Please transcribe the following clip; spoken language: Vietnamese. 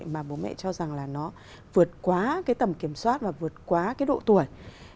mà bố mẹ cho rằng là nó vượt quá cái tầm kiểm soát và vượt quá cái độ tuổi